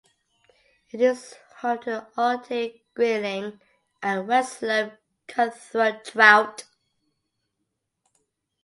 It is home to Arctic grayling and westslope cutthroat trout.